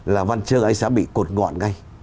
là văn trương anh sẽ bị cột ngọn ngay